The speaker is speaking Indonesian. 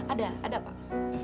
ada ada pak